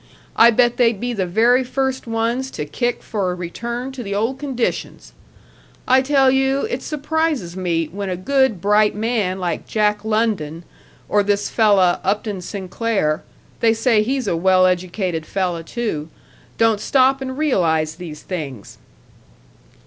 I bet they'd be the very first ones to kick for a return to the old conditions! I tell you, it surprises me when a good, bright man like Jack London or this fella, Upton Sinclair they say he's a well educated fella, too don't stop and realize these things."